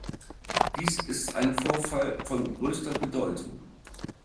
Dies ist ein Vorfall von größter Bedeutung.